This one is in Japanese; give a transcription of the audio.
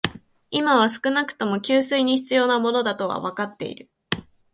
今は少なくとも、給水に必要なものだとはわかっている